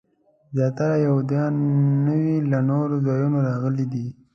زیاتره یهودیان نوي له نورو ځایونو راغلي دي.